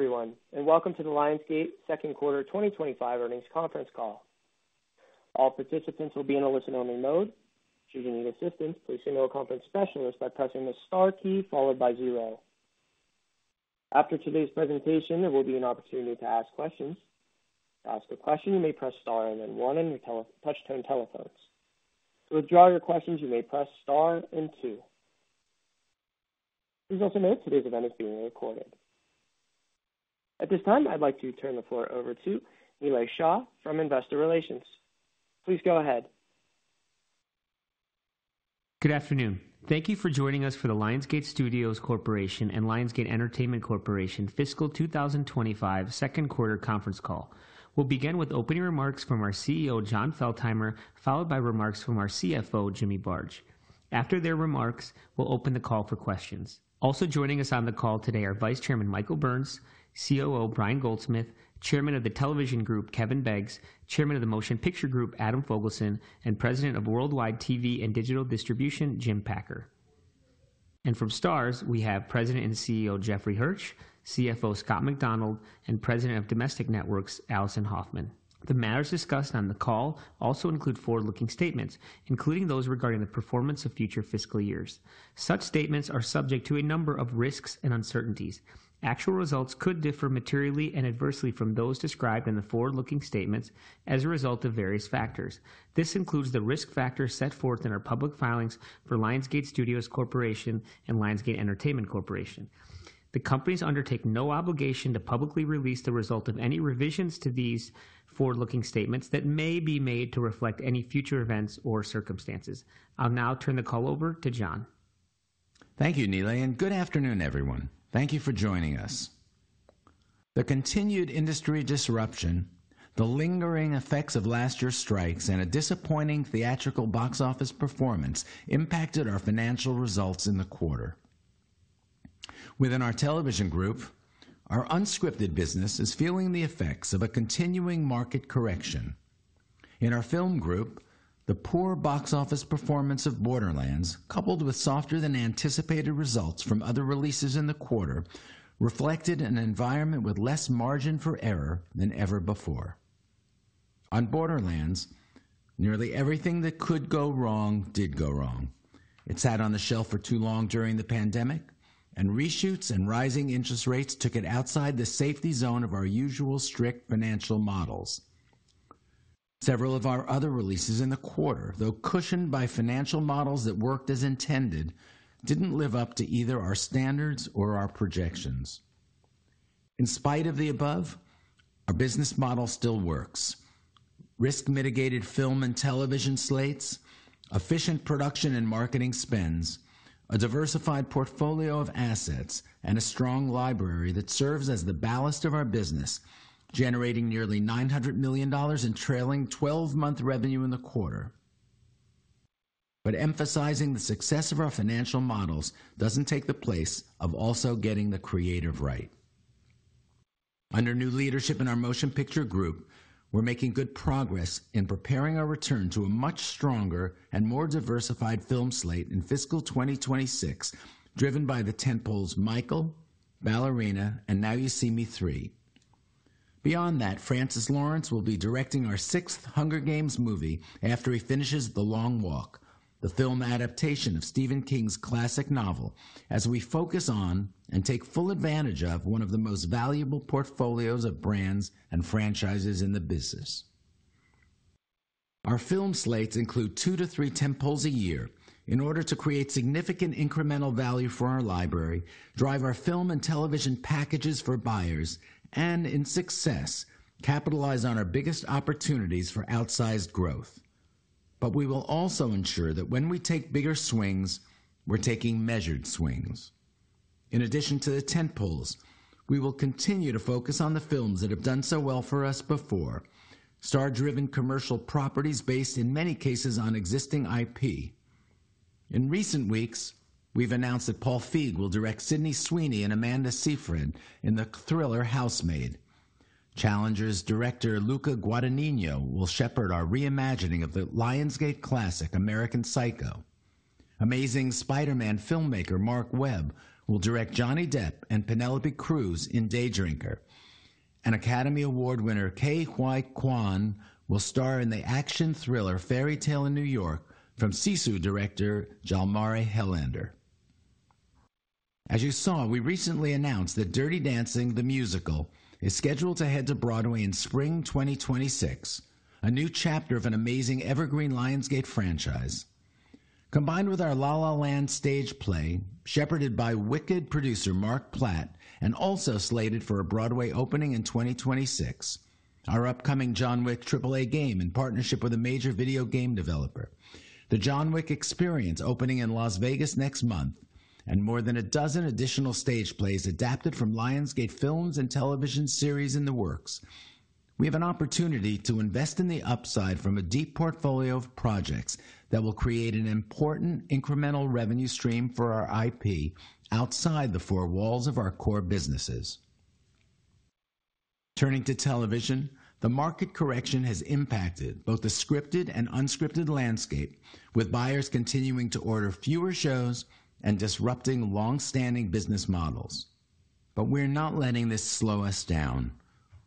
Everyone, and welcome to the Lionsgate Second Quarter 2025 earnings conference call. All participants will be in a listen-only mode. Should you need assistance, please signal a conference specialist by pressing the star key followed by zero. After today's presentation, there will be an opportunity to ask questions. To ask a question, you may press star and then one on your touch-tone telephones. To withdraw your questions, you may press star and two. Please also note today's event is being recorded. At this time, I'd like to turn the floor over to Nilay Shah from Investor Relations. Please go ahead. Good afternoon. Thank you for joining us for the Lionsgate Studios Corporation and Lionsgate Entertainment Corporation Fiscal 2025 Second Quarter Conference Call. We'll begin with opening remarks from our CEO, Jon Feltheimer, followed by remarks from our CFO, Jimmy Barge. After their remarks, we'll open the call for questions. Also joining us on the call today are Vice Chairman Michael Burns, COO Brian Goldsmith, Chairman of the Television Group, Kevin Beggs, Chairman of the Motion Picture Group, Adam Fogelson, and President of Worldwide TV and Digital Distribution, Jim Packer. And from STARZ, we have President and CEO Jeffrey Hirsch, CFO Scott Macdonald, and President of Domestic Networks, Alison Hoffman. The matters discussed on the call also include forward-looking statements, including those regarding the performance of future fiscal years. Such statements are subject to a number of risks and uncertainties. Actual results could differ materially and adversely from those described in the forward-looking statements as a result of various factors. This includes the risk factors set forth in our public filings for Lionsgate Studios Corporation and Lionsgate Entertainment Corporation. The companies undertake no obligation to publicly release the result of any revisions to these forward-looking statements that may be made to reflect any future events or circumstances. I'll now turn the call over to Jon. Thank you, Nilay, and good afternoon, everyone. Thank you for joining us. The continued industry disruption, the lingering effects of last year's strikes, and a disappointing theatrical box office performance impacted our financial results in the quarter. Within our television group, our unscripted business is feeling the effects of a continuing market correction. In our film group, the poor box office performance of Borderlands, coupled with softer-than-anticipated results from other releases in the quarter, reflected an environment with less margin for error than ever before. On Borderlands, nearly everything that could go wrong did go wrong. It sat on the shelf for too long during the pandemic, and reshoots and rising interest rates took it outside the safety zone of our usual strict financial models. Several of our other releases in the quarter, though cushioned by financial models that worked as intended, didn't live up to either our standards or our projections. In spite of the above, our business model still works: risk-mitigated film and television slates, efficient production and marketing spends, a diversified portfolio of assets, and a strong library that serves as the ballast of our business, generating nearly $900 million in trailing 12-month revenue in the quarter. But emphasizing the success of our financial models doesn't take the place of also getting the creative right. Under new leadership in our Motion Picture Group, we're making good progress in preparing our return to a much stronger and more diversified film slate in Fiscal 2026, driven by the tentpoles Michael, Ballerina, and Now You See Me 3. Beyond that, Francis Lawrence will be directing our sixth Hunger Games movie after he finishes The Long Walk, the film adaptation of Stephen King's classic novel, as we focus on and take full advantage of one of the most valuable portfolios of brands and franchises in the business. Our film slates include two to three tentpoles a year in order to create significant incremental value for our library, drive our film and television packages for buyers, and, in success, capitalize on our biggest opportunities for outsized growth. But we will also ensure that when we take bigger swings, we're taking measured swings. In addition to the tentpoles, we will continue to focus on the films that have done so well for us before: star-driven commercial properties based, in many cases, on existing IP. In recent weeks, we've announced that Paul Feig will direct Sydney Sweeney and Amanda Seyfried in the thriller The Housemaid. Challengers director Luca Guadagnino will shepherd our reimagining of the Lionsgate classic American Psycho. Amazing Spider-Man filmmaker Marc Webb will direct Johnny Depp and Penélope Cruz in Day Drinker. An Academy Award winner, Ke Huy Quan, will star in the action thriller Fairytale in New York from Sisu director Jalmari Helander. As you saw, we recently announced that Dirty Dancing: The Musical is scheduled to head to Broadway in Spring 2026, a new chapter of an amazing evergreen Lionsgate franchise. Combined with our La La Land stage play, shepherded by Wicked producer Marc Platt and also slated for a Broadway opening in 2026, our upcoming John Wick AAA game in partnership with a major video game developer, the John Wick Experience opening in Las Vegas next month, and more than a dozen additional stage plays adapted from Lionsgate Films and television series in the works, we have an opportunity to invest in the upside from a deep portfolio of projects that will create an important incremental revenue stream for our IP outside the four walls of our core businesses. Turning to television, the market correction has impacted both the scripted and unscripted landscape, with buyers continuing to order fewer shows and disrupting long-standing business models. But we're not letting this slow us down.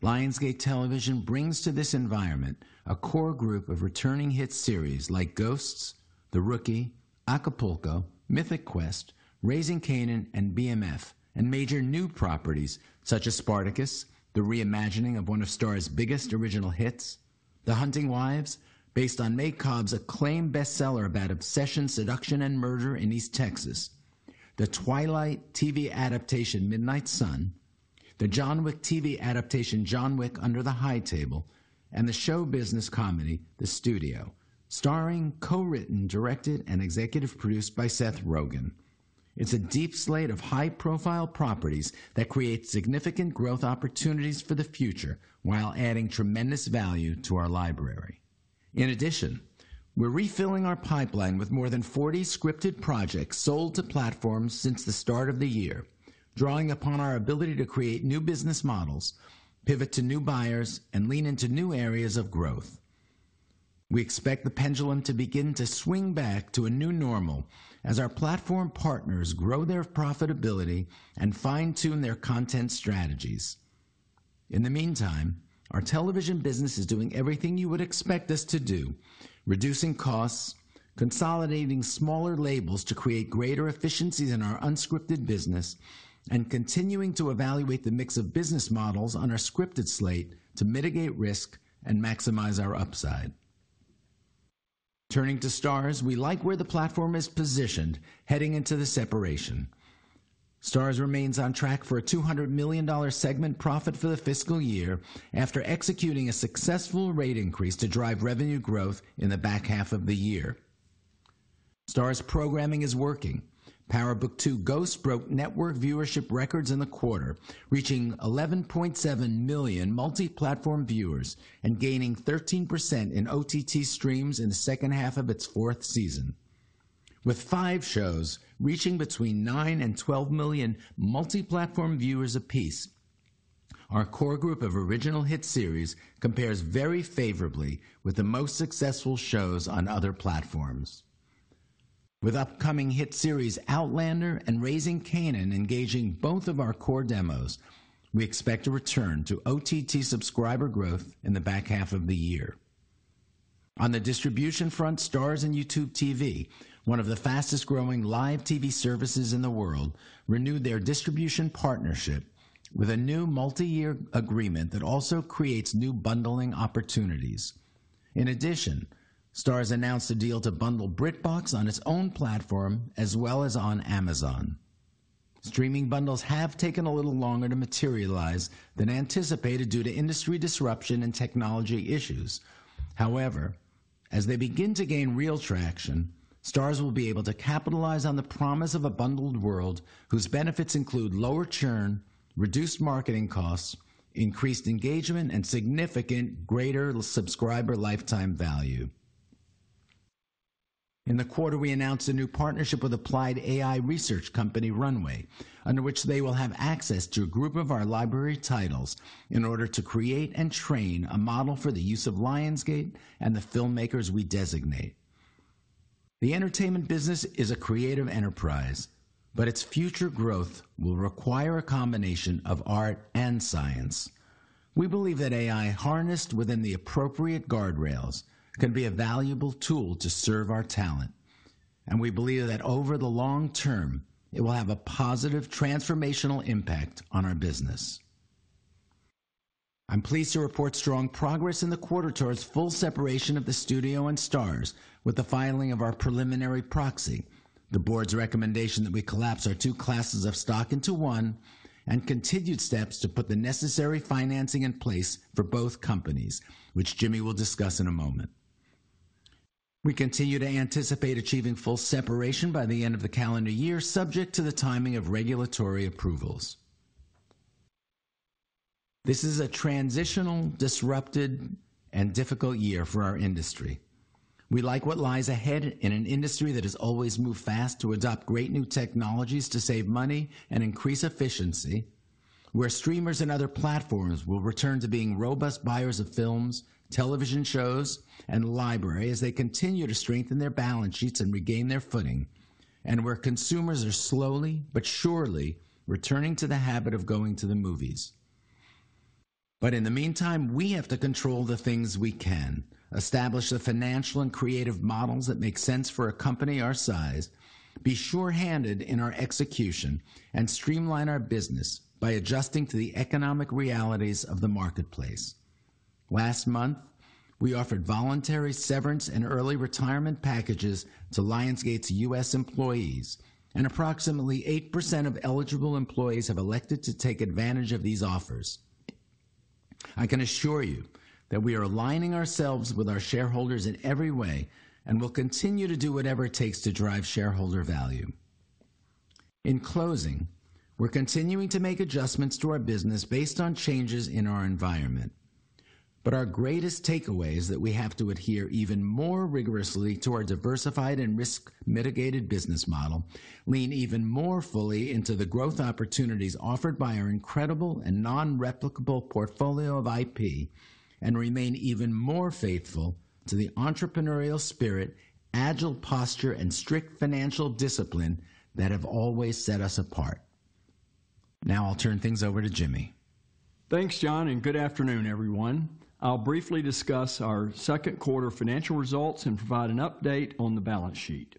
Lionsgate Television brings to this environment a core group of returning hit series like Ghosts, The Rookie, Acapulco, Mythic Quest, Raising Canaan, and BMF, and major new properties such as Spartacus, the reimagining of one of STARZ's biggest original hits, The Hunting Wives, based on May Cobb's acclaimed bestseller about obsession, seduction, and murder in East Texas, the Twilight TV adaptation Midnight Sun, the John Wick TV adaptation John Wick: Under the High Table, and the show business comedy The Studio, starring, co-written, directed, and executive produced by Seth Rogen. It's a deep slate of high-profile properties that create significant growth opportunities for the future while adding tremendous value to our library. In addition, we're refilling our pipeline with more than 40 scripted projects sold to platforms since the start of the year, drawing upon our ability to create new business models, pivot to new buyers, and lean into new areas of growth. We expect the pendulum to begin to swing back to a new normal as our platform partners grow their profitability and fine-tune their content strategies. In the meantime, our television business is doing everything you would expect us to do: reducing costs, consolidating smaller labels to create greater efficiencies in our unscripted business, and continuing to evaluate the mix of business models on our scripted slate to mitigate risk and maximize our upside. Turning to STARZ, we like where the platform is positioned heading into the separation. STARZ remains on track for a $200 million segment profit for the fiscal year after executing a successful rate increase to drive revenue growth in the back half of the year. STARZ programming is working. Power Book II: Ghost broke network viewership records in the quarter, reaching 11.7 million multi-platform viewers and gaining 13% in OTT streams in the second half of its fourth season, with five shows reaching between nine and 12 million multi-platform viewers apiece. Our core group of original hit series compares very favorably with the most successful shows on other platforms. With upcoming hit series Outlander and Raising Canaan engaging both of our core demos, we expect a return to OTT subscriber growth in the back half of the year. On the distribution front, STARZ and YouTube TV, one of the fastest-growing live TV services in the world, renewed their distribution partnership with a new multi-year agreement that also creates new bundling opportunities. In addition, STARZ announced a deal to bundle BritBox on its own platform as well as on Amazon. Streaming bundles have taken a little longer to materialize than anticipated due to industry disruption and technology issues. However, as they begin to gain real traction, STARZ will be able to capitalize on the promise of a bundled world whose benefits include lower churn, reduced marketing costs, increased engagement, and significant greater subscriber lifetime value. In the quarter, we announced a new partnership with applied AI research company Runway, under which they will have access to a group of our library titles in order to create and train a model for the use of Lionsgate and the filmmakers we designate. The entertainment business is a creative enterprise, but its future growth will require a combination of art and science. We believe that AI, harnessed within the appropriate guardrails, can be a valuable tool to serve our talent, and we believe that over the long term, it will have a positive transformational impact on our business. I'm pleased to report strong progress in the quarter towards full separation of the studio and STARZ with the filing of our preliminary proxy, the board's recommendation that we collapse our two classes of stock into one, and continued steps to put the necessary financing in place for both companies, which Jimmy will discuss in a moment. We continue to anticipate achieving full separation by the end of the calendar year, subject to the timing of regulatory approvals. This is a transitional, disrupted, and difficult year for our industry. We like what lies ahead in an industry that has always moved fast to adopt great new technologies to save money and increase efficiency, where streamers and other platforms will return to being robust buyers of films, television shows, and library as they continue to strengthen their balance sheets and regain their footing, and where consumers are slowly but surely returning to the habit of going to the movies. But in the meantime, we have to control the things we can, establish the financial and creative models that make sense for a company our size, be shorthanded in our execution, and streamline our business by adjusting to the economic realities of the marketplace. Last month, we offered voluntary severance and early retirement packages to Lionsgate's U.S. employees, and approximately 8% of eligible employees have elected to take advantage of these offers. I can assure you that we are aligning ourselves with our shareholders in every way and will continue to do whatever it takes to drive shareholder value. In closing, we're continuing to make adjustments to our business based on changes in our environment, but our greatest takeaway is that we have to adhere even more rigorously to our diversified and risk-mitigated business model, lean even more fully into the growth opportunities offered by our incredible and non-replicable portfolio of IP, and remain even more faithful to the entrepreneurial spirit, agile posture, and strict financial discipline that have always set us apart. Now I'll turn things over to Jimmy. Thanks, Jon, and good afternoon, everyone. I'll briefly discuss our second quarter financial results and provide an update on the balance sheet.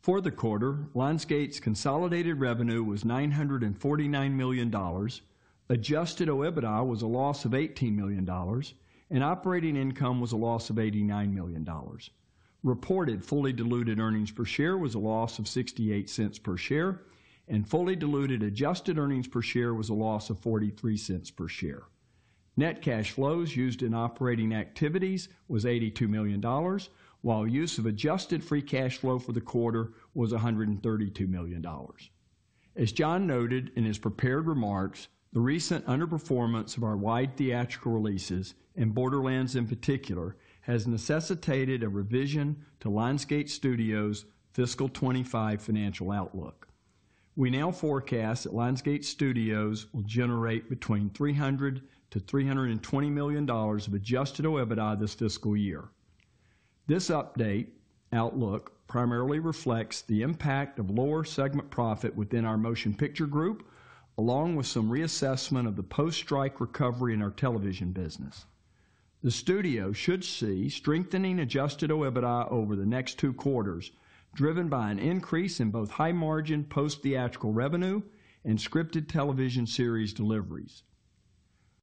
For the quarter, Lionsgate's consolidated revenue was $949 million, adjusted OIBDA was a loss of $18 million, and operating income was a loss of $89 million. Reported fully diluted earnings per share was a loss of $0.68 per share, and fully diluted adjusted earnings per share was a loss of $0.43 per share. Net cash flows used in operating activities was $82 million, while use of adjusted free cash flow for the quarter was $132 million. As Jon noted in his prepared remarks, the recent underperformance of our wide theatrical releases and Borderlands in particular has necessitated a revision to Lionsgate Studios' fiscal 2025 financial outlook. We now forecast that Lionsgate Studios will generate between $300-$320 million of adjusted OIBDA this fiscal year. This update outlook primarily reflects the impact of lower segment profit within our Motion Picture Group, along with some reassessment of the post-strike recovery in our television business. The studio should see strengthening adjusted OIBDA over the next two quarters, driven by an increase in both high-margin post-theatrical revenue and scripted television series deliveries.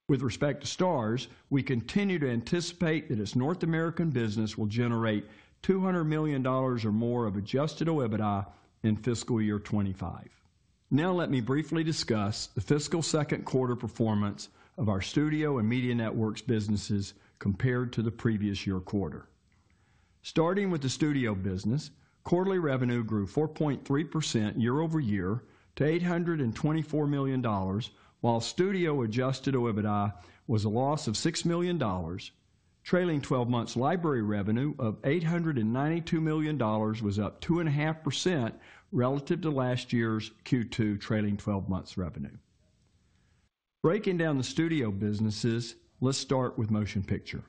With respect to STARZ, we continue to anticipate that its North American business will generate $200 million or more of adjusted OIBDA in fiscal year 2025. Now let me briefly discuss the fiscal second quarter performance of our studio and media networks businesses compared to the previous year quarter. Starting with the studio business, quarterly revenue grew 4.3% year over year to $824 million, while studio adjusted OIBDA was a loss of $6 million. Trailing 12 months library revenue of $892 million was up 2.5% relative to last year's Q2 trailing 12 months revenue. Breaking down the studio businesses, let's start with Motion Picture.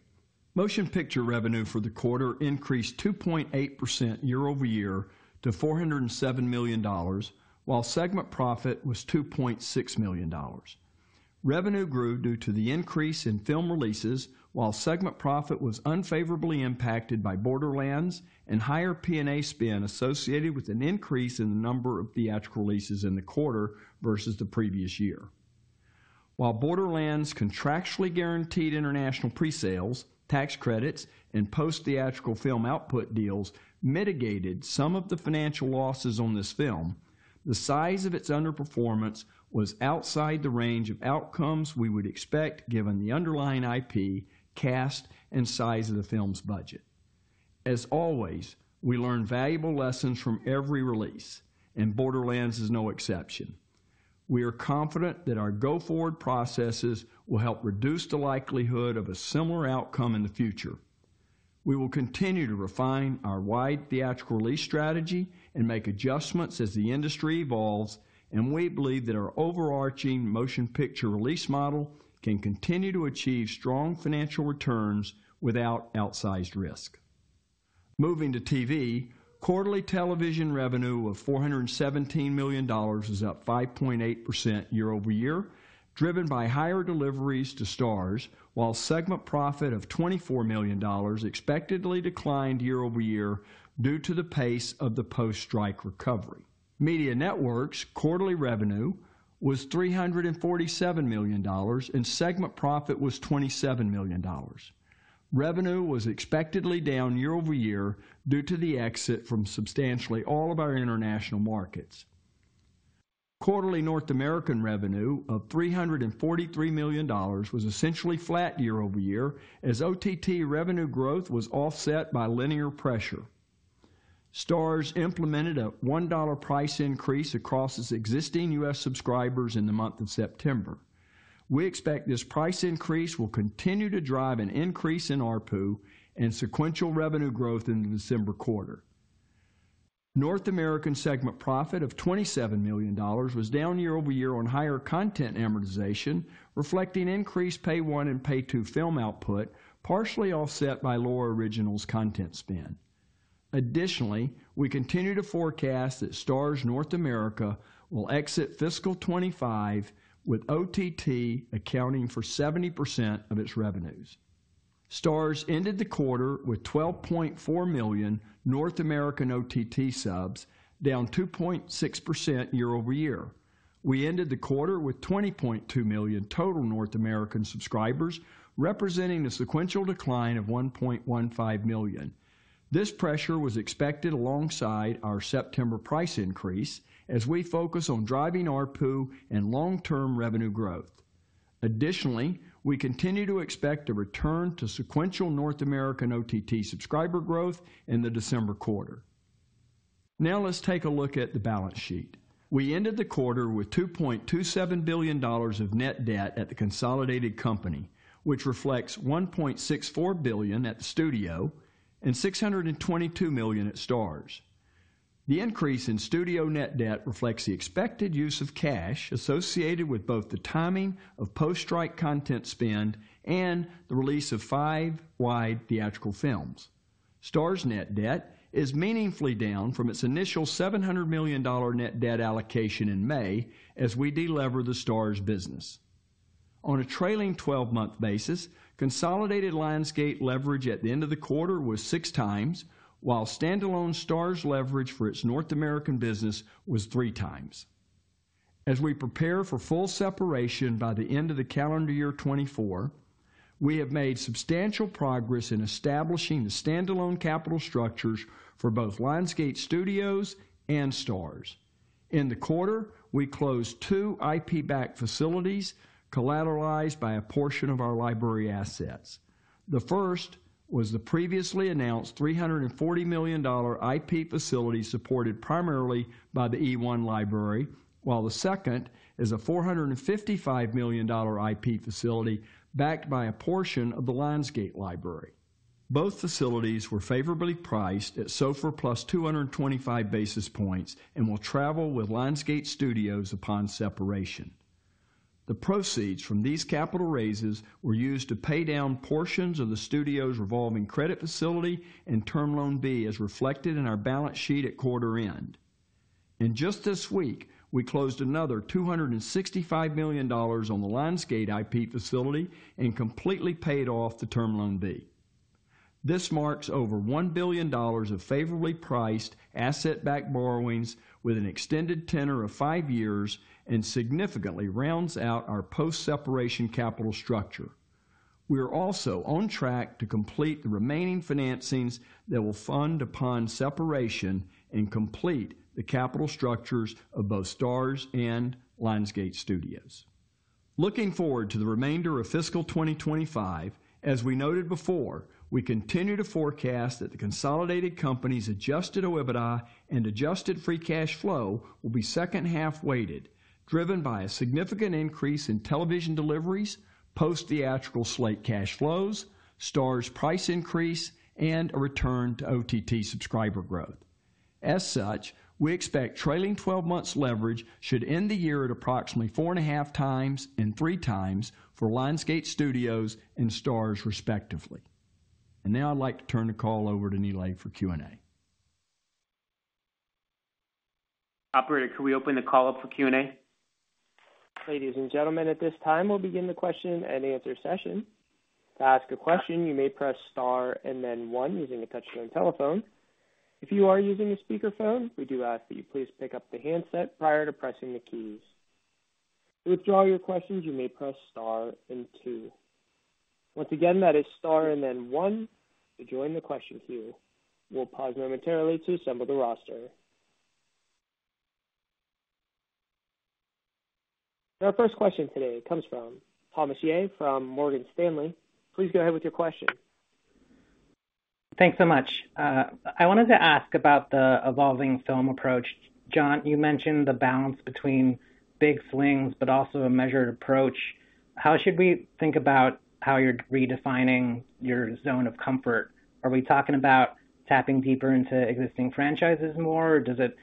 Motion Picture revenue for the quarter increased 2.8% year over year to $407 million, while segment profit was $2.6 million. Revenue grew due to the increase in film releases, while segment profit was unfavorably impacted by Borderlands and higher P&A spend associated with an increase in the number of theatrical releases in the quarter versus the previous year. While Borderlands' contractually guaranteed international presales, tax credits, and post-theatrical film output deals mitigated some of the financial losses on this film, the size of its underperformance was outside the range of outcomes we would expect given the underlying IP, cast, and size of the film's budget. As always, we learn valuable lessons from every release, and Borderlands is no exception. We are confident that our go-forward processes will help reduce the likelihood of a similar outcome in the future. We will continue to refine our wide theatrical release strategy and make adjustments as the industry evolves, and we believe that our overarching Motion Picture release model can continue to achieve strong financial returns without outsized risk. Moving to TV, quarterly television revenue of $417 million was up 5.8% year over year, driven by higher deliveries to STARZ, while segment profit of $24 million expectedly declined year over year due to the pace of the post-strike recovery. Media networks' quarterly revenue was $347 million, and segment profit was $27 million. Revenue was expectedly down year over year due to the exit from substantially all of our international markets. Quarterly North American revenue of $343 million was essentially flat year over year as OTT revenue growth was offset by linear pressure. STARZ implemented a $1 price increase across its existing U.S. subscribers in the month of September. We expect this price increase will continue to drive an increase in ARPU and sequential revenue growth in the December quarter. North American segment profit of $27 million was down year over year on higher content amortization, reflecting increased Pay One and Pay Two film output, partially offset by lower originals content spend. Additionally, we continue to forecast that STARZ North America will exit fiscal 2025 with OTT accounting for 70% of its revenues. STARZ ended the quarter with 12.4 million North American OTT subs, down 2.6% year over year. We ended the quarter with 20.2 million total North American subscribers, representing a sequential decline of 1.15 million. This pressure was expected alongside our September price increase as we focus on driving ARPU and long-term revenue growth. Additionally, we continue to expect a return to sequential North American OTT subscriber growth in the December quarter. Now let's take a look at the balance sheet. We ended the quarter with $2.27 billion of net debt at the consolidated company, which reflects $1.64 billion at the studio and $622 million at STARZ. The increase in studio net debt reflects the expected use of cash associated with both the timing of post-strike content spend and the release of five wide theatrical films. STARZ net debt is meaningfully down from its initial $700 million net debt allocation in May as we delever the STARZ business. On a trailing 12-month basis, consolidated Lionsgate leverage at the end of the quarter was six times, while standalone STARZ leverage for its North American business was three times. As we prepare for full separation by the end of the calendar year 2024, we have made substantial progress in establishing the standalone capital structures for both Lionsgate Studios and STARZ. In the quarter, we closed two IP-backed facilities collateralized by a portion of our library assets. The first was the previously announced $340 million IP facility supported primarily by the eOne library, while the second is a $455 million IP facility backed by a portion of the Lionsgate library. Both facilities were favorably priced at SOFR plus 225 basis points and will travel with Lionsgate Studios upon separation. The proceeds from these capital raises were used to pay down portions of the studio's revolving credit facility and Term Loan B as reflected in our balance sheet at quarter end. In just this week, we closed another $265 million on the Lionsgate IP facility and completely paid off the Term Loan B. This marks over $1 billion of favorably priced asset-backed borrowings with an extended tenor of five years and significantly rounds out our post-separation capital structure. We are also on track to complete the remaining financings that will fund upon separation and complete the capital structures of both STARZ and Lionsgate Studios. Looking forward to the remainder of fiscal 2025, as we noted before, we continue to forecast that the consolidated company's adjusted OIBDA and adjusted free cash flow will be second-half weighted, driven by a significant increase in television deliveries, post-theatrical slate cash flows, STARZ price increase, and a return to OTT subscriber growth. As such, we expect trailing 12 months leverage should end the year at approximately four and a half times and three times for Lionsgate Studios and STARZ respectively. And now I'd like to turn the call over to Nilay for Q&A. Operator, can we open the call up for Q&A? Ladies and gentlemen, at this time, we'll begin the question and answer session. To ask a question, you may press star and then one using a touchscreen telephone. If you are using a speakerphone, we do ask that you please pick up the handset prior to pressing the keys. To withdraw your questions, you may press star and two. Once again, that is star and then one to join the question queue. We'll pause momentarily to assemble the roster. Our first question today comes from Thomas Yeh from Morgan Stanley. Please go ahead with your question. Thanks so much. I wanted to ask about the evolving film approach. Jon, you mentioned the balance between big swings, but also a measured approach. How should we think about how you're redefining your zone of comfort? Are we talking about tapping deeper into existing franchises more, or does it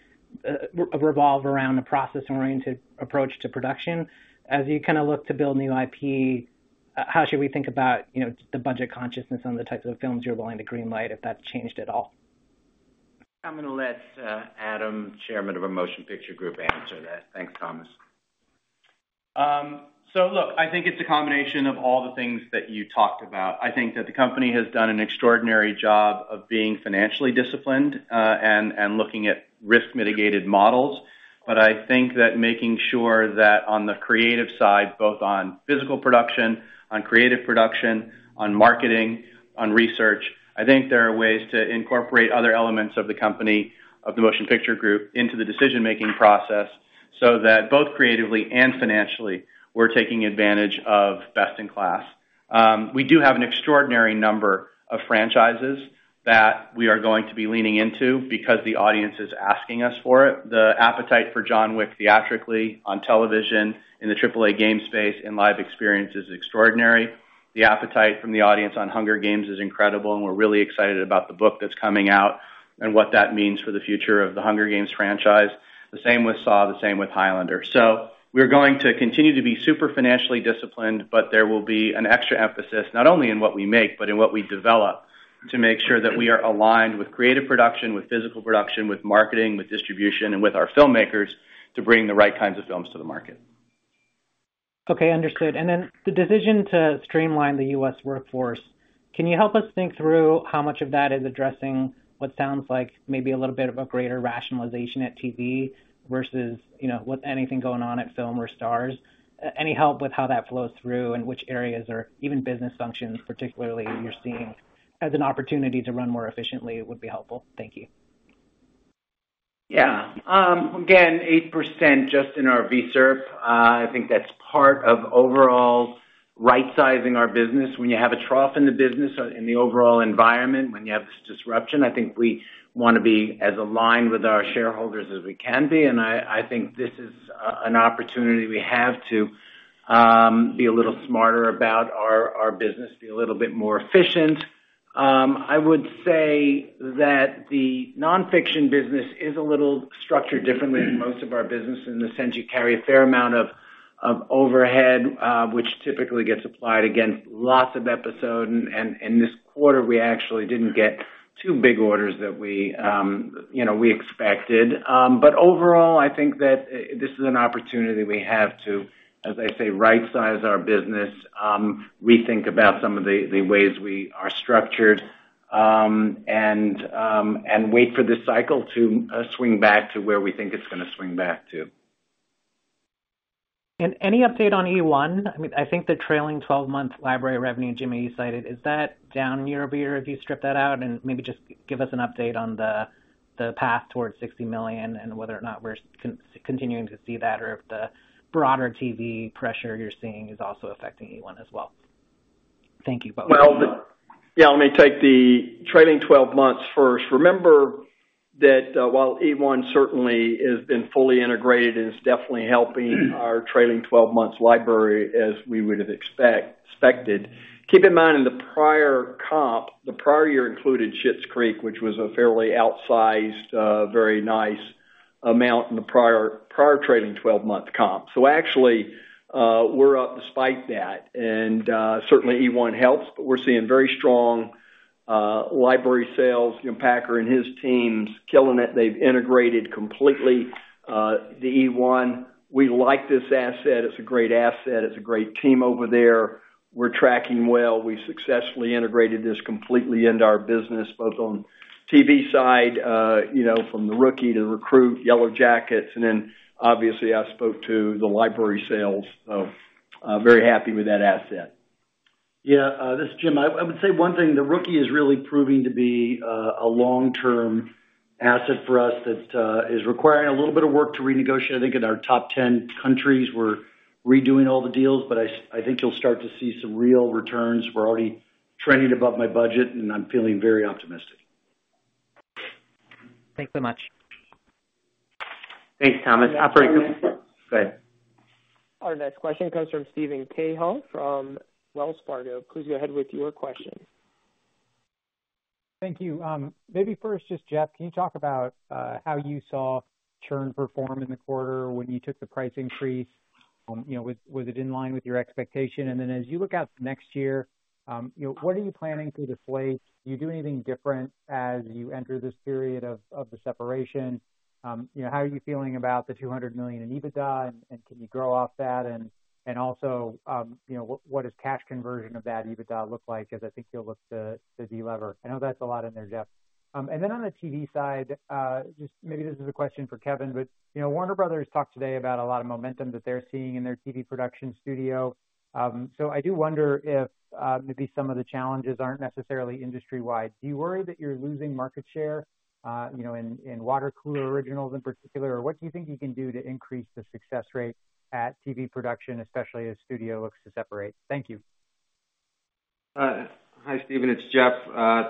revolve around a process-oriented approach to production? As you kind of look to build new IP, how should we think about the budget consciousness on the types of films you're willing to greenlight, if that's changed at all? I'm going to let Adam, Chairman of our Motion Picture Group, answer that. Thanks, Thomas. So look, I think it's a combination of all the things that you talked about. I think that the company has done an extraordinary job of being financially disciplined and looking at risk-mitigated models. But I think that making sure that on the creative side, both on physical production, on creative production, on marketing, on research, I think there are ways to incorporate other elements of the company, of the Motion Picture Group, into the decision-making process so that both creatively and financially we're taking advantage of best in class. We do have an extraordinary number of franchises that we are going to be leaning into because the audience is asking us for it. The appetite for John Wick theatrically on television in the AAA game space and live experience is extraordinary. The appetite from the audience on Hunger Games is incredible, and we're really excited about the book that's coming out and what that means for the future of the Hunger Games franchise. The same with Saw, the same with Highlander. So we're going to continue to be super financially disciplined, but there will be an extra emphasis not only in what we make, but in what we develop to make sure that we are aligned with creative production, with physical production, with marketing, with distribution, and with our filmmakers to bring the right kinds of films to the market. Okay, understood. And then the decision to streamline the U.S. workforce, can you help us think through how much of that is addressing what sounds like maybe a little bit of a greater rationalization at TV versus with anything going on at film or STARZ? Any help with how that flows through and which areas or even business functions, particularly you're seeing as an opportunity to run more efficiently would be helpful? Thank you. Yeah. Again, 8% just in our VSERP. I think that's part of overall right-sizing our business. When you have a trough in the business or in the overall environment, when you have this disruption, I think we want to be as aligned with our shareholders as we can be, and I think this is an opportunity we have to be a little smarter about our business, be a little bit more efficient. I would say that the nonfiction business is a little structured differently than most of our business in the sense you carry a fair amount of overhead, which typically gets applied against lots of episodes, and this quarter, we actually didn't get two big orders that we expected. But overall, I think that this is an opportunity we have to, as I say, right-size our business, rethink about some of the ways we are structured, and wait for this cycle to swing back to where we think it's going to swing back to. Any update on eOne? I mean, I think the trailing 12-month library revenue, Jimmy, you cited, is that down year over year? If you strip that out and maybe just give us an update on the path towards $60 million and whether or not we're continuing to see that or if the broader TV pressure you're seeing is also affecting eOne as well. Thank you. Yeah, let me take the trailing 12 months first. Remember that while eOne certainly has been fully integrated and is definitely helping our trailing 12-month library as we would have expected. Keep in mind in the prior comp, the prior year included Schitt's Creek, which was a fairly outsized, very nice amount in the prior trailing 12-month comp. Actually, we're up despite that. Certainly, eOne helps, but we're seeing very strong library sales. Jim Packer and his team's killing it. They've integrated completely the eOne. We like this asset. It's a great asset. It's a great team over there. We're tracking well. We successfully integrated this completely into our business, both on TV side from The Rookie to The Recruit, Yellowjackets. Then obviously, I spoke to the library sales. Very happy with that asset. Yeah, this is Jim. I would say one thing, The Rookie is really proving to be a long-term asset for us that is requiring a little bit of work to renegotiate. I think in our top 10 countries, we're redoing all the deals, but I think you'll start to see some real returns. We're already trending above my budget, and I'm feeling very optimistic. Thanks so much. Thanks, Thomas. Our next question comes from Steven Cahall from Wells Fargo. Please go ahead with your question. Thank you. Maybe first, just Jeff, can you talk about how you saw churn perform in the quarter when you took the price increase? Was it in line with your expectation? And then as you look out next year, what are you planning to display? Do you do anything different as you enter this period of the separation? How are you feeling about the $200 million in EBITDA? And can you grow off that? And also, what does cash conversion of that EBITDA look like? Because I think you'll look to delever. I know that's a lot in there, Jeff. And then on the TV side, just maybe this is a question for Kevin, but Warner Bros. talked today about a lot of momentum that they're seeing in their TV production studio. So I do wonder if maybe some of the challenges aren't necessarily industry-wide. Do you worry that you're losing market share in watercooler originals in particular? Or what do you think you can do to increase the success rate at TV production, especially as studio looks to separate? Thank you. Hi, Steven. It's Jeff.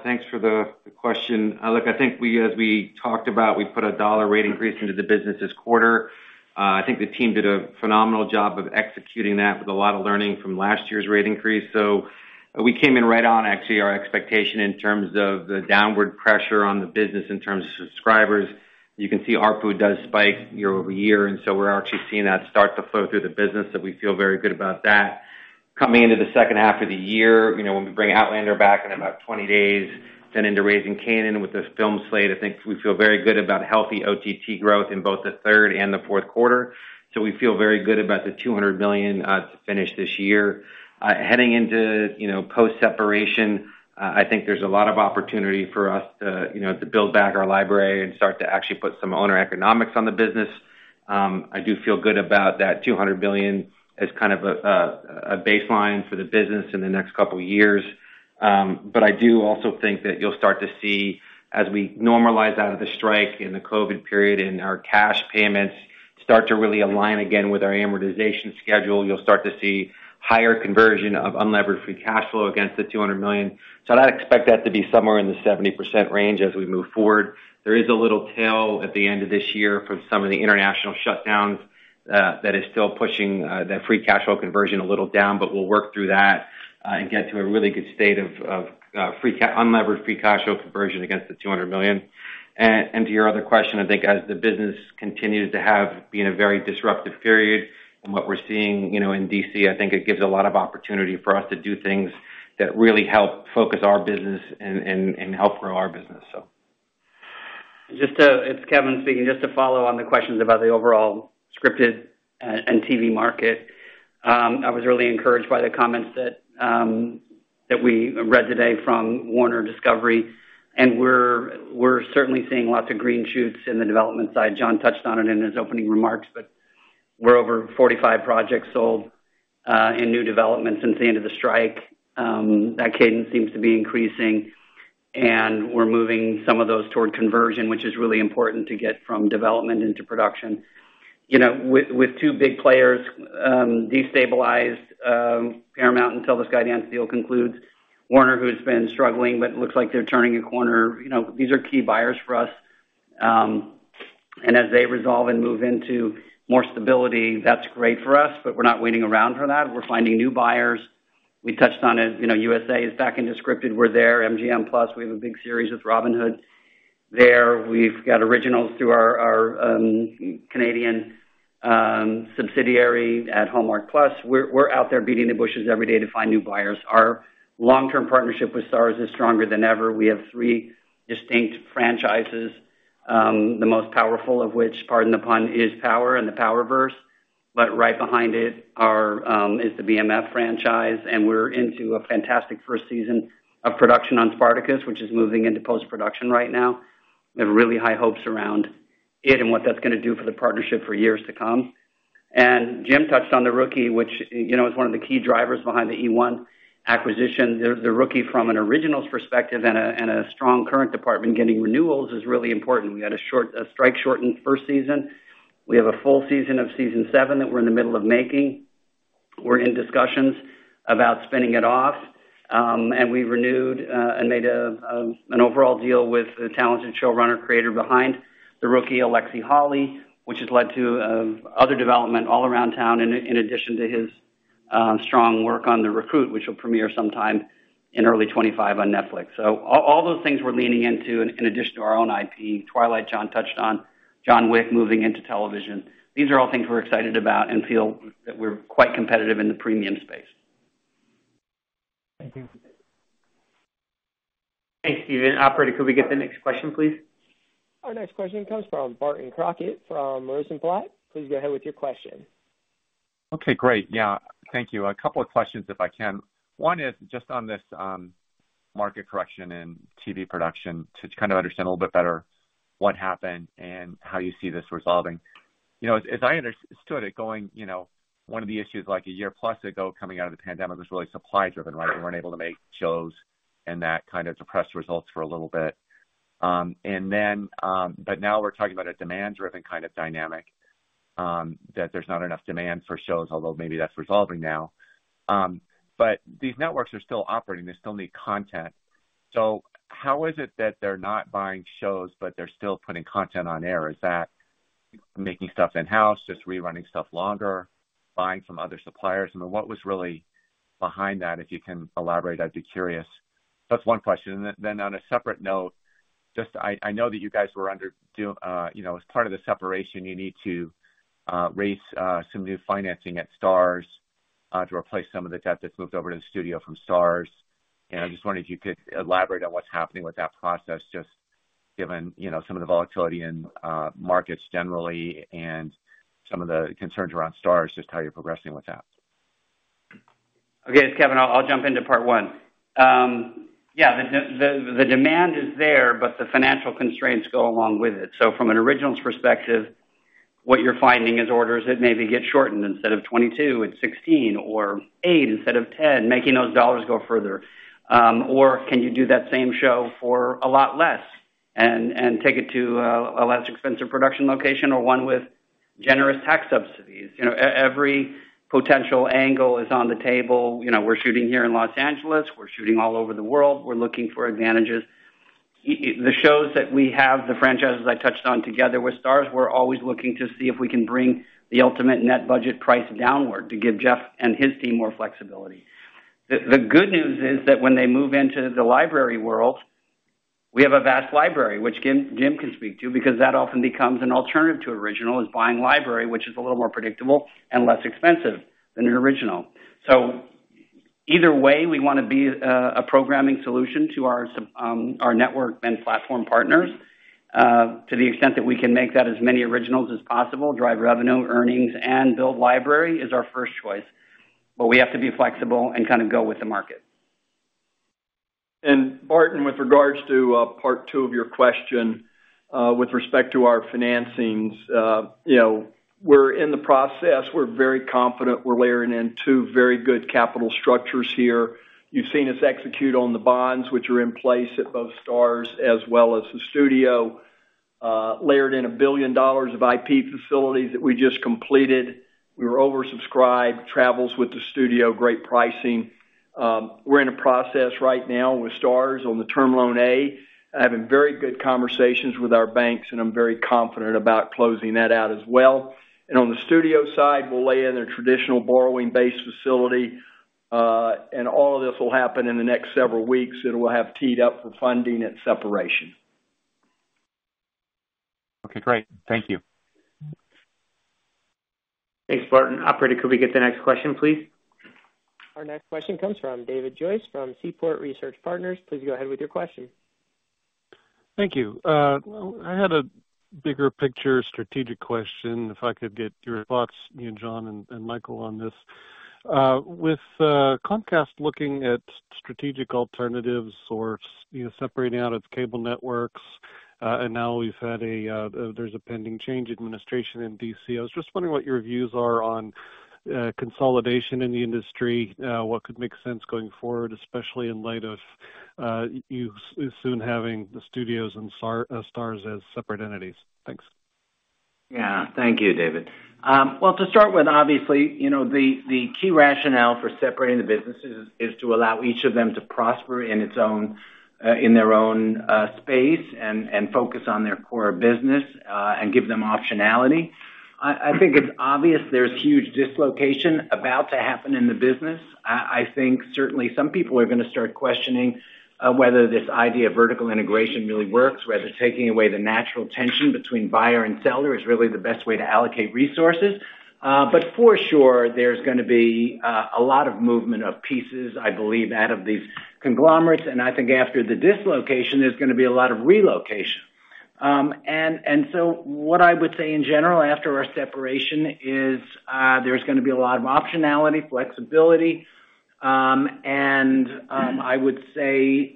Thanks for the question. Look, I think as we talked about, we put a dollar rate increase into the business this quarter. I think the team did a phenomenal job of executing that with a lot of learning from last year's rate increase. So we came in right on, actually, our expectation in terms of the downward pressure on the business in terms of subscribers. You can see our ARPU does spike year over year. And so we're actually seeing that start to flow through the business. So we feel very good about that. Coming into the second half of the year, when we bring Outlander back in about 20 days, then into Raising Canaan with the film slate, I think we feel very good about healthy OTT growth in both the third and the fourth quarter. So we feel very good about the $200 million to finish this year. Heading into post-separation, I think there's a lot of opportunity for us to build back our library and start to actually put some owner economics on the business. I do feel good about that $200 million as kind of a baseline for the business in the next couple of years. But I do also think that you'll start to see, as we normalize out of the strike and the COVID period and our cash payments start to really align again with our amortization schedule, you'll start to see higher conversion of unlevered free cash flow against the $200 million. So I'd expect that to be somewhere in the 70% range as we move forward. There is a little tail at the end of this year from some of the international shutdowns that is still pushing that free cash flow conversion a little down, but we'll work through that and get to a really good state of unlevered free cash flow conversion against the $200 million. To your other question, I think as the business continues to have been a very disruptive period and what we're seeing in DC, I think it gives a lot of opportunity for us to do things that really help focus our business and help grow our business, so. It's Kevin speaking. Just to follow on the questions about the overall scripted and TV market, I was really encouraged by the comments that we read today from Warner Bros. Discovery. And we're certainly seeing lots of green shoots in the development side. John touched on it in his opening remarks, but we're over 45 projects sold and new developments since the end of the strike. That cadence seems to be increasing. And we're moving some of those toward conversion, which is really important to get from development into production. With two big players destabilized, Paramount until this guidance deal concludes, Warner, who has been struggling, but it looks like they're turning a corner. These are key buyers for us. And as they resolve and move into more stability, that's great for us, but we're not waiting around for that. We're finding new buyers. We touched on it. USA is back into scripted. We're there. MGM Plus, we have a big series with Robin Hood there. We've got originals through our Canadian subsidiary at Hallmark Plus. We're out there beating the bushes every day to find new buyers. Our long-term partnership with STARZ is stronger than ever. We have three distinct franchises, the most powerful of which, pardon the pun, is Power and the Powerverse. But right behind it is the BMF franchise. And we're into a fantastic first season of production on Spartacus, which is moving into post-production right now. We have really high hopes around it and what that's going to do for the partnership for years to come. And Jim touched on The Rookie, which is one of the key drivers behind the eOne acquisition. The Rookie from an originals perspective and a strong current department getting renewals is really important. We had a strike-shortened first season. We have a full season of season seven that we're in the middle of making. We're in discussions about spinning it off, and we renewed and made an overall deal with the talented showrunner creator behind The Rookie, Alexi Hawley, which has led to other development all around town in addition to his strong work on The Recruit, which will premiere sometime in early 2025 on Netflix, so all those things we're leaning into in addition to our own IP. Twilight, John touched on, John Wick moving into television. These are all things we're excited about and feel that we're quite competitive in the premium space. Thank you. Thanks, Steven. Operator, could we get the next question, please? Our next question comes from Barton Crockett from Rosenblatt. Please go ahead with your question. Okay, great. Yeah, thank you. A couple of questions, if I can. One is just on this market correction in TV production to kind of understand a little bit better what happened and how you see this resolving. As I understood it, one of the issues like a year plus ago coming out of the pandemic was really supply-driven, right? We weren't able to make shows, and that kind of depressed results for a little bit. But now we're talking about a demand-driven kind of dynamic that there's not enough demand for shows, although maybe that's resolving now. But these networks are still operating. They still need content. So how is it that they're not buying shows, but they're still putting content on air? Is that making stuff in-house, just rerunning stuff longer, buying from other suppliers? I mean, what was really behind that? If you can elaborate, I'd be curious. That's one question. And then on a separate note, just, I know that you guys were under as part of the separation, you need to raise some new financing at STARZ to replace some of the debt that's moved over to the studio from STARZ. And I just wondered if you could elaborate on what's happening with that process, just given some of the volatility in markets generally and some of the concerns around STARZ, just how you're progressing with that. Okay, Kevin, I'll jump into part one. Yeah, the demand is there, but the financial constraints go along with it. So from an originals perspective, what you're finding is orders that maybe get shortened instead of 22 to 16 or eight instead of 10, making those dollars go further. Or can you do that same show for a lot less and take it to a less expensive production location or one with generous tax subsidies? Every potential angle is on the table. We're shooting here in Los Angeles. We're shooting all over the world. We're looking for advantages. The shows that we have, the franchises I touched on together with STARZ, we're always looking to see if we can bring the ultimate net budget price downward to give Jeff and his team more flexibility. The good news is that when they move into the library world, we have a vast library, which Jim can speak to, because that often becomes an alternative to original is buying library, which is a little more predictable and less expensive than an original. So either way, we want to be a programming solution to our network and platform partners. To the extent that we can make that as many originals as possible, drive revenue, earnings, and build library is our first choice. But we have to be flexible and kind of go with the market. And Barton, with regards to part two of your question, with respect to our financings, we're in the process. We're very confident. We're layering in two very good capital structures here. You've seen us execute on the bonds which are in place at both STARZ as well as the studio, layered in $1 billion of IP facilities that we just completed. We were oversubscribed, tranches with the studio, great pricing. We're in a process right now with STARZ on the Term Loan A. I have very good conversations with our banks, and I'm very confident about closing that out as well. And on the studio side, we'll lay in a traditional borrowing base facility. And all of this will happen in the next several weeks. It will have teed up for funding at separation. Okay, great. Thank you. Thanks, Barton. Operator, could we get the next question, please? Our next question comes from David Joyce from Seaport Research Partners. Please go ahead with your question. Thank you. I had a bigger picture strategic question, if I could get your thoughts, John and Michael, on this. With Comcast looking at strategic alternatives or separating out its cable networks, and now there's a pending change in administration in DC. I was just wondering what your views are on consolidation in the industry, what could make sense going forward, especially in light of you soon having the studios and STARZ as separate entities. Thanks. Yeah, thank you, David. Well, to start with, obviously, the key rationale for separating the businesses is to allow each of them to prosper in their own space and focus on their core business and give them optionality. I think it's obvious there's huge dislocation about to happen in the business. I think certainly some people are going to start questioning whether this idea of vertical integration really works, whether taking away the natural tension between buyer and seller is really the best way to allocate resources. But for sure, there's going to be a lot of movement of pieces, I believe, out of these conglomerates. And I think after the dislocation, there's going to be a lot of relocation. And so what I would say in general after our separation is there's going to be a lot of optionality, flexibility. I would say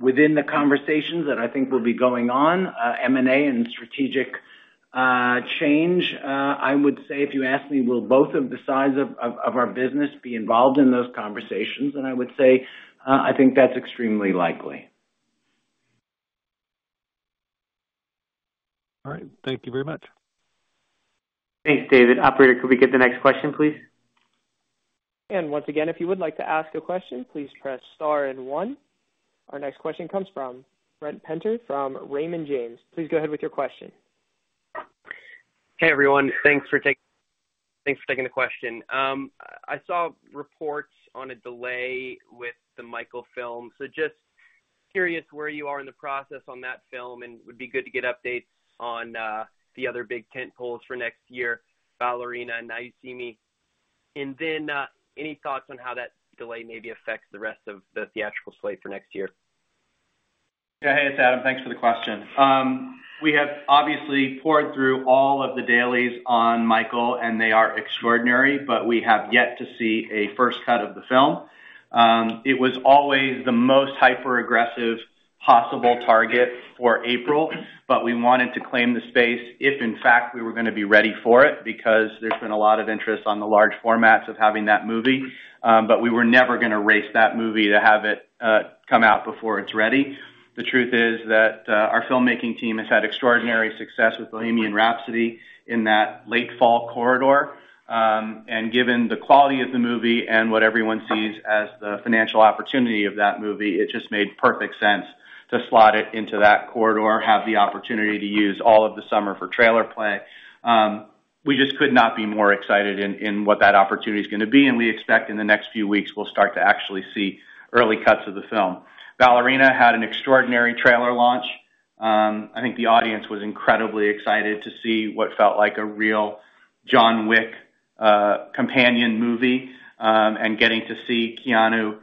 within the conversations that I think will be going on, M&A and strategic change, I would say, if you ask me, will both of the sides of our business be involved in those conversations? I would say I think that's extremely likely. All right. Thank you very much. Thanks, David. Operator, could we get the next question, please? Once again, if you would like to ask a question, please press star and one. Our next question comes from Brent Penter from Raymond James. Please go ahead with your question. Hey, everyone. Thanks for taking the question. I saw reports on a delay with the Michael film, so just curious where you are in the process on that film, and it would be good to get updates on the other big tent poles for next year, Ballerina and Now You See Me, and then any thoughts on how that delay maybe affects the rest of the theatrical slate for next year? Yeah, hey, it's Adam. Thanks for the question. We have obviously poured through all of the dailies on Michael, and they are extraordinary, but we have yet to see a first cut of the film. It was always the most hyper-aggressive possible target for April, but we wanted to claim the space if, in fact, we were going to be ready for it because there's been a lot of interest on the large formats of having that movie. But we were never going to race that movie to have it come out before it's ready. The truth is that our filmmaking team has had extraordinary success with Bohemian Rhapsody in that late fall corridor. And given the quality of the movie and what everyone sees as the financial opportunity of that movie, it just made perfect sense to slot it into that corridor, have the opportunity to use all of the summer for trailer play. We just could not be more excited in what that opportunity is going to be. And we expect in the next few weeks, we'll start to actually see early cuts of the film. Ballerina had an extraordinary trailer launch. I think the audience was incredibly excited to see what felt like a real John Wick companion movie. And getting to see Keanu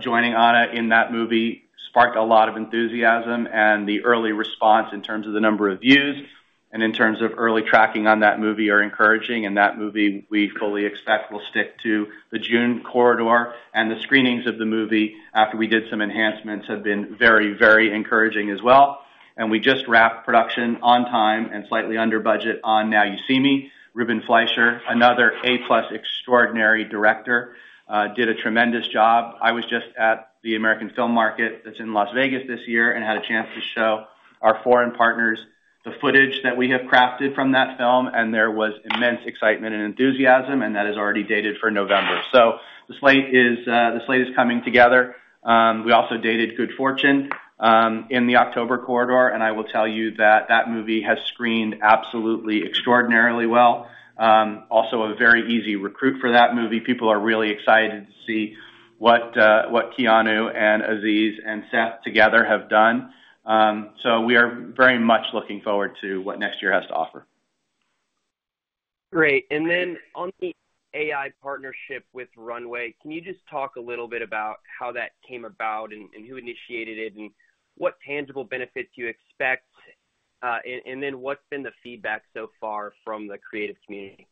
joining Ana in that movie sparked a lot of enthusiasm. And the early response in terms of the number of views and in terms of early tracking on that movie are encouraging. And that movie, we fully expect, will stick to the June corridor. And the screenings of the movie after we did some enhancements have been very, very encouraging as well. And we just wrapped production on time and slightly under budget on Now You See Me. Ruben Fleischer, another A-plus extraordinary director, did a tremendous job. I was just at the American Film Market that's in Las Vegas this year and had a chance to show our foreign partners the footage that we have crafted from that film. And there was immense excitement and enthusiasm, and that is already dated for November. So the slate is coming together. We also dated Good Fortune in the October corridor. And I will tell you that that movie has screened absolutely extraordinarily well. Also, a very easy recruit for that movie. People are really excited to see what Keanu and Aziz and Seth together have done. We are very much looking forward to what next year has to offer. Great. And then on the AI partnership with Runway, can you just talk a little bit about how that came about and who initiated it and what tangible benefits you expect? And then what's been the feedback so far from the creative community?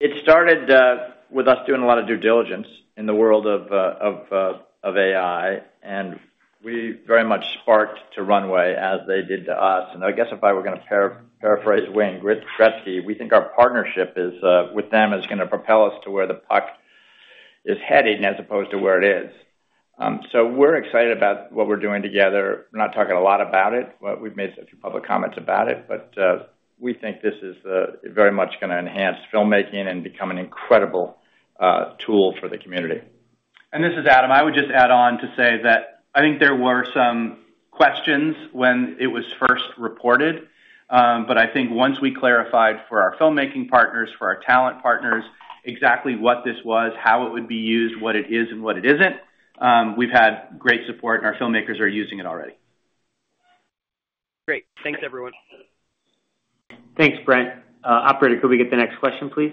It started with us doing a lot of due diligence in the world of AI, and we very much sparked to Runway as they did to us. I guess if I were going to paraphrase Wayne Gretzky, we think our partnership with them is going to propel us to where the puck is headed as opposed to where it is. We're excited about what we're doing together. We're not talking a lot about it. We've made a few public comments about it, but we think this is very much going to enhance filmmaking and become an incredible tool for the community. This is Adam. I would just add on to say that I think there were some questions when it was first reported. But I think once we clarified for our filmmaking partners, for our talent partners, exactly what this was, how it would be used, what it is, and what it isn't, we've had great support, and our filmmakers are using it already. Great. Thanks, everyone. Thanks, Brent. Operator, could we get the next question, please?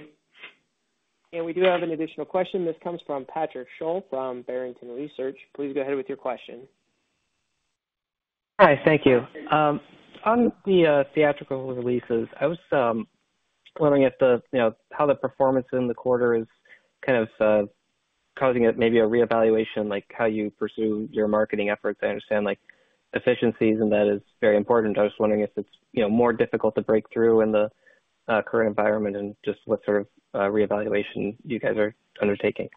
We do have an additional question. This comes from Patrick Sholl from Barrington Research. Please go ahead with your question. Hi, thank you. On the theatrical releases, I was wondering if how the performance in the quarter is kind of causing maybe a reevaluation, like how you pursue your marketing efforts. I understand efficiencies, and that is very important. I was wondering if it's more difficult to break through in the current environment and just what sort of reevaluation you guys are undertaking.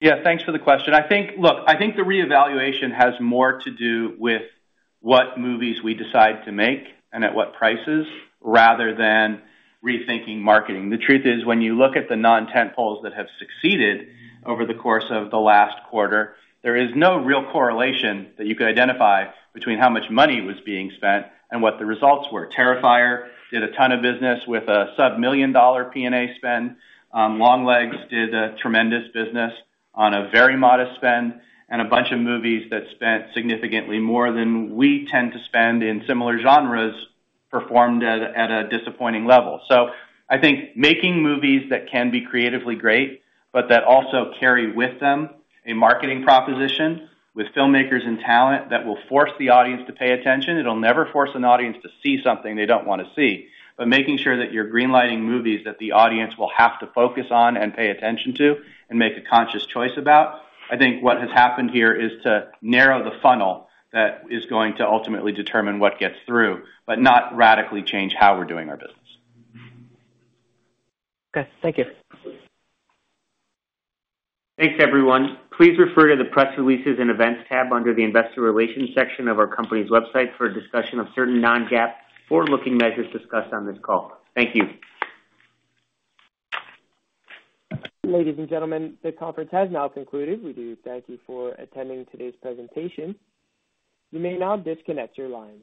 Yeah, thanks for the question. Look, I think the reevaluation has more to do with what movies we decide to make and at what prices rather than rethinking marketing. The truth is, when you look at the non-tentpole that have succeeded over the course of the last quarter, there is no real correlation that you could identify between how much money was being spent and what the results were. Terrifier did a ton of business with a sub-million dollar P&A spend. Longlegs did tremendous business on a very modest spend. And a bunch of movies that spent significantly more than we tend to spend in similar genres performed at a disappointing level. So I think making movies that can be creatively great, but that also carry with them a marketing proposition with filmmakers and talent that will force the audience to pay attention. It'll never force an audience to see something they don't want to see. But making sure that you're greenlighting movies that the audience will have to focus on and pay attention to and make a conscious choice about, I think what has happened here is to narrow the funnel that is going to ultimately determine what gets through, but not radically change how we're doing our business. Okay, thank you. Thanks, everyone. Please refer to the press releases and events tab under the investor relations section of our company's website for a discussion of certain non-GAAP forward-looking measures discussed on this call. Thank you. Ladies and gentlemen, the conference has now concluded. We do thank you for attending today's presentation. You may now disconnect your lines.